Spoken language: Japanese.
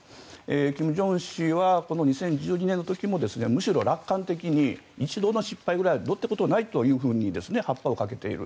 金正恩氏は２０１２年の時もむしろ楽観的に１度ぐらいの失敗ぐらいどうってことないと発破をかけている。